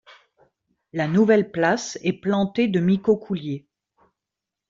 La nouvelle place est plantée de micocouliers.